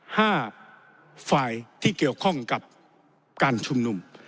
ห้าฝ่ายที่เกี่ยวข้องกับการชุมนุม